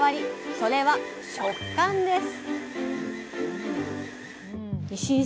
それは食感です